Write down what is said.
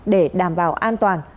để đảm bảo an toàn